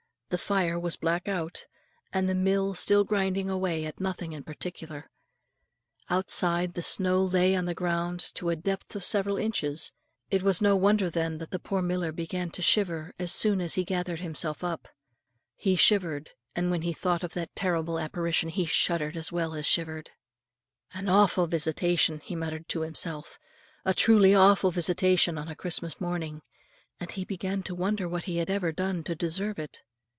The fire was black out, and the mill still grinding away at nothing in particular. Outside, the snow lay on the ground to a depth of several inches; it was no wonder then that the poor miller began to shiver, as soon as he gathered himself up. He shivered, and when he thought of that terrible apparition, he shuddered as well as shivered. "An awfu' visitation," he muttered to himself, "a truly awfu' visitation on a Christmas morning;" and he began to wonder what he had ever done to deserve it.